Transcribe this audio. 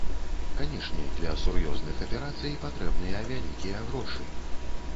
Канешне, для сур'ёзных аперацый патрэбныя вялікія грошы.